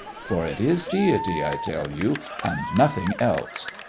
For it is deity, I tell you, and nothing else.